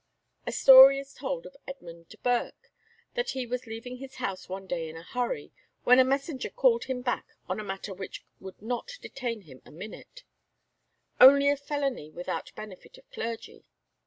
A story is told of Edmund Burke, that he was leaving his house one day in a hurry, when a messenger called him back on a matter which would not detain him a minute: "Only a felony without benefit of clergy."